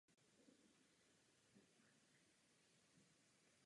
Gayové i bisexuálové smějí ve Španělsku darovat krev.